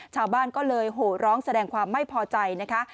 ชาวบ้านก็เลยโหร้องแสดงความไม่พอใจนะคะ